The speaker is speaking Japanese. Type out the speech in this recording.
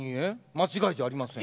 間違いじゃありません。